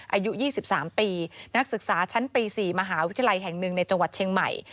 อายุ๒๓ปีนักศึกษาชั้นปี๔มหาวิทยาลัยแห่งหนึ่งในจังหวัดเชียงใหม่